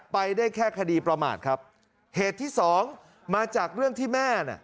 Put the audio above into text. ไปได้แค่คดีประมาทครับเหตุที่สองมาจากเรื่องที่แม่น่ะ